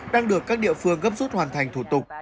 đang được các địa phương gấp rút hoàn thành thủ tục